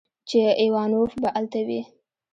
چې ايوانوف به الته وي.